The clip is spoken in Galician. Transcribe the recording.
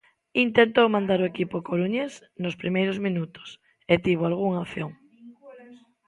Intentou mandar o equipo coruñés nos primeiros minutos, e tivo algunha opción.